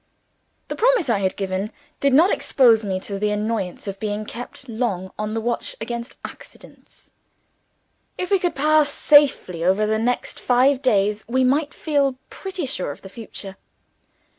THE promise I had given did not expose me to the annoyance of being kept long on the watch against accidents. If we could pass safely over the next five days, we might feel pretty sure of the future.